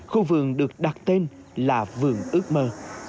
khu vườn được đặt tên là vườn ước mơ